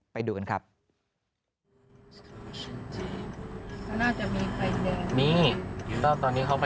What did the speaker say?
ไปดูกันครับ